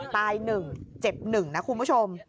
ตายหนึ่งเจ็บหนึ่งนะคุณผู้ชม